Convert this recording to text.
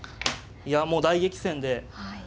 いやもう大激戦で。